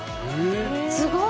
すごい！